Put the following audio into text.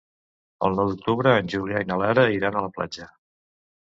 El nou d'octubre en Julià i na Lara iran a la platja.